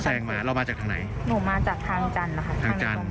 แซงมาเรามาจากทางไหนหนูมาจากทางจันทร์นะคะทางจันทร์